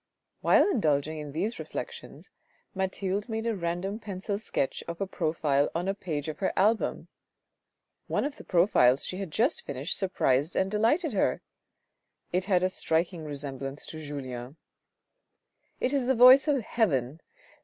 While indulging in these reflections Mathilde made a random pencil sketch of a profile on a page of her album. One of the profiles she had just finished surprised and delighted her. It had a striking resemblance to Julien. " It is the voice of heaven.